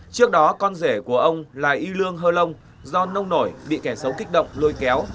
trước đó con rể của ông là y lương hơ long do nông nổi bị kẻ xấu kích động lôi kéo